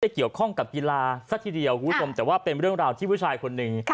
เกี่ยวข้องกับกีฬาซะทีเดียวคุณผู้ชมแต่ว่าเป็นเรื่องราวที่ผู้ชายคนหนึ่ง